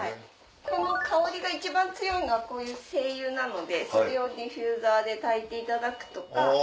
この香りが一番強いのはこういう精油なのでそれをディフューザーでたいていただくとか。